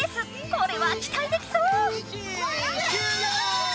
これはきたいできそう！